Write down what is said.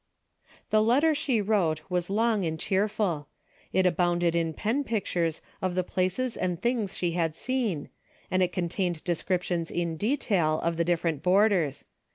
The letter she Avrote Avas long and cheerful. It abounded in pen pictures of the places and things she had seen, and it contained descrip tions in detail of the different boarders.